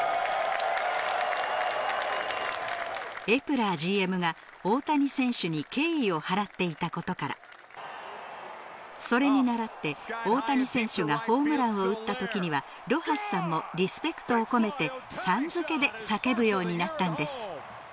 エプラーＧＭが、大谷選手に敬意を払っていたことからそれに倣って、大谷選手がホームランを打った時にはロハスさんもリスペクトを込めてさん付けで叫ぶようになったんです。